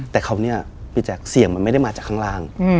แต่คราวนี้พี่แจ๊คเสียงมันไม่ได้มาจากข้างล่าง